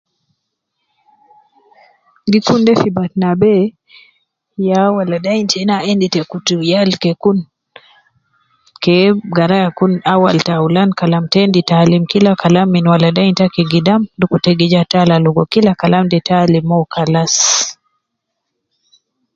Gi kun de fi batna bee, ya waleidein tena endi ta kutu yal ke kun, ke garaya kun awal taulan kalam, ita endi ta alim kila kalam min waleidein taki gidam dukur tagija tala logo kila kalam de ita alimo kalas